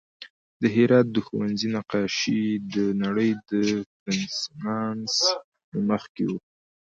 د هرات د ښوونځي نقاشي د نړۍ د رنسانس نه مخکې وه